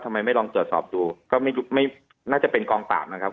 ทำไมไม่ลองเจราะสอบดูก็น่าจะเป็นกองตามนะครับ